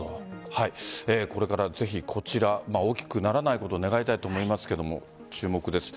これからぜひ、こちら大きくならないことを願いたいと思いますが、注目です。